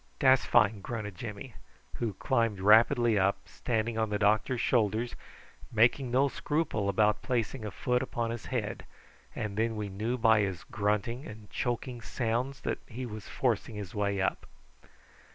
"Dat's fine," grunted Jimmy, who climbed rapidly up, standing on the doctor's shoulders, making no scruple about planting a foot upon his head, and then we knew by his grunting and choking sounds that he was forcing his way up.